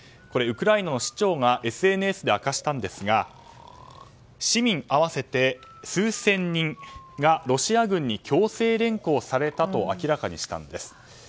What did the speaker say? ウクライナの市長がＳＮＳで明かしたんですが市民合わせて数千人がロシア軍に強制連行されたと明らかにしたんです。